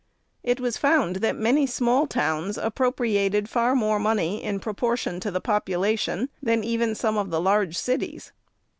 It was found that many small towns appropriated far more money in proportion to the population than even some of the large cities.